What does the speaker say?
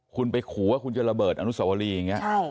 คุณไปขู่ว่าคุณจะระเบิดอนุสวรีอย่างนี้